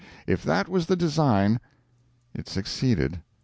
If that was the design, it succeeded.